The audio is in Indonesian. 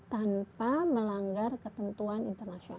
tanpa melanggar ketentuan internasional